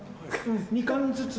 ２貫ずつ。